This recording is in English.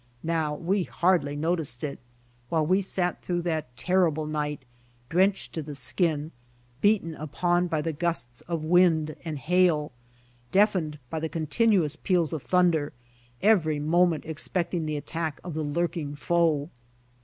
Now we hardly noticed it, while we sat through that terrible night, drenched to the skin, beaten upon by the gusts of wind and hail, deafened by the continuous peals of thunder, every moment expecting the attack of the lurking foe.